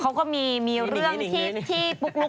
เขาก็มีเรื่องที่ปุ๊กลุ๊ก